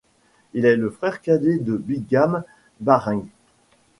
Il est le frère cadet de Bingham Baring.